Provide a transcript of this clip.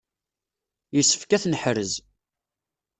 Yessefk ad t-neḥrez.